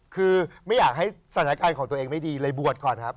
คือไม่อยากให้สถานการณ์ของตัวเองไม่ดีเลยบวชก่อนครับ